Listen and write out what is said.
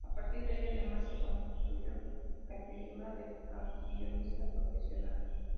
A partir de ella, además, se constituyó la figura del guionista profesional.